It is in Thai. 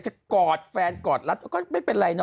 กอดแฟนกอดรัดก็ไม่เป็นไรนะ